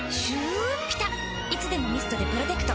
いつでもミストでプロテクト。